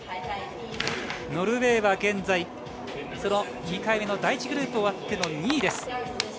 ノルウェーは現在、２回目の第１グループ終わって２位です。